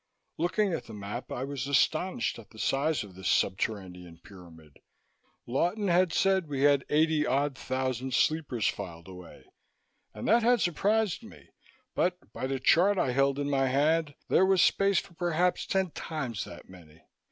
Looking at the map, I was astonished at the size of this subterranean pyramid. Lawton had said we had eighty odd thousand sleepers filed away and that had surprised me, but by the chart I held in my hand, there was space for perhaps ten times that many.